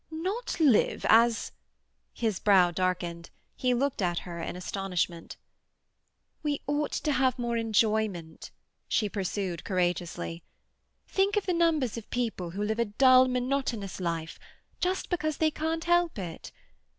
"Not live as—" His brow darkened; he looked at her in astonishment. "We ought to have more enjoyment," she pursued courageously. "Think of the numbers of people who live a dull, monotonous life just because they can't help it.